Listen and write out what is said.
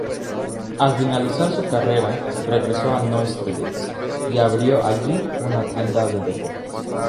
Al finalizar su carrera regresó a Neustrelitz y abrió allí una tienda de deportes.